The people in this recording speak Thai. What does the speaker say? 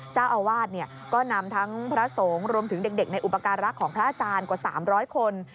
เจ้าอาวาสเนี่ยก็นำทั้งพระสงฆ์รวมถึงเด็กในอุปกรณ์รักของพระอาจารย์กว่าสามร้อยคน